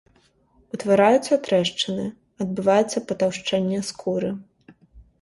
Утвараюцца трэшчыны, адбываецца патаўшчэнне скуры.